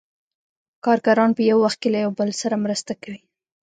کارګران په یو وخت کې یو له بل سره مرسته کوي